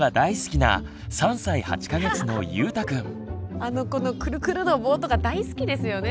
あのこのクルクルの棒とか大好きですよね。